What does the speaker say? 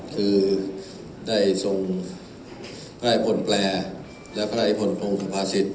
คือได้ส่งพระราชอิทธิพลแปลและพระราชอิทธิพลโครงสมภาษิศ